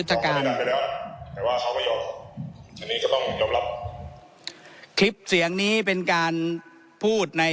ไม่ยอมอันนี้ก็ต้องยอมรับคลิปเสียงนี้เป็นการพูดใน